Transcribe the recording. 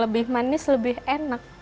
lebih manis lebih enak